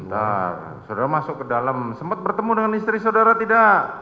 ntar saudara masuk ke dalam sempat bertemu dengan istri saudara tidak